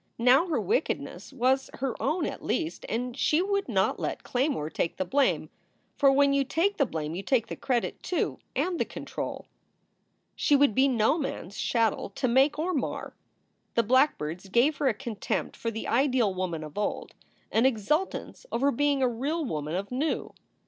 Now her wickedness was her own, at least, and she would not let Claymore take the blame; for when you take the blame you take the credit, too, and the control. She would be no man s chattel to make or mar. The blackbirds gave her a contempt for the ideal woman of old, an exultance over being a real woman of new.